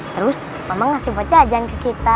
terus mama ngasih buat jajan ke kita